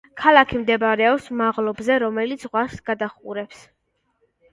ქალაქი მდებარეობს მაღლობზე, რომელიც ზღვას გადაჰყურებს.